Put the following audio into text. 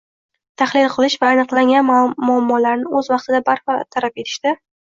tahlil qilish va aniqlangan muammolarni o‘z vaqtida bartaraf etishda